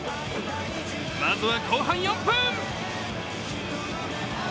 まずは後半４分。